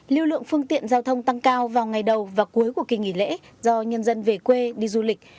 lưu lượng phương tiện giao thông tăng cao vào ngày đầu và cuối của kỳ nghỉ lễ do nhân dân về quê đi du lịch